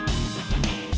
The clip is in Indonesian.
terima kasih chandra